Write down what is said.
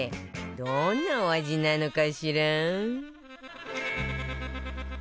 どんなお味なのかしら？